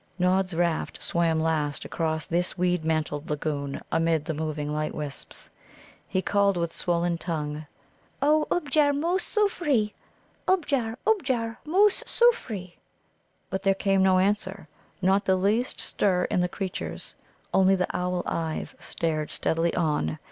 Nod's raft swam last across this weed mantled lagoon amid the moving light wisps. He called with swollen tongue: "O ubjar moose soofree! ubjar, ubjar, moose soofree!" But there came no answer, not the least stir in the creatures; only the owl eyes stared steadily on.